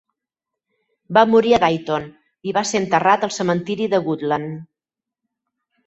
Va morir a Dayton i va ser enterrat al cementiri de Woodland.